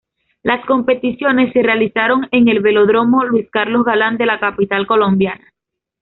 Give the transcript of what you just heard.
Las competiciones se realizaron en el Velódromo Luis Carlos Galán de la capital colombiana.